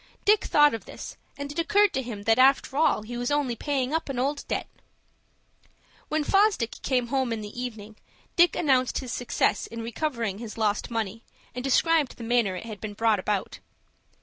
Dick thought of this, and it occurred to him that after all he was only paying up an old debt. When Fosdick came home in the evening, Dick announced his success in recovering his lost money, and described the manner it had been brought about.